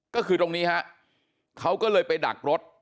ก็คือตรงนี้ฮะเขาก็เลยไปดักรถ